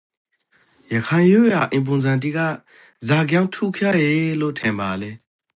ရခိုင်ရိုးရာအိမ်ပုံစံတိကဇာကြောင့်ထူးခြားယေလို့ ထင်ပါလဲ?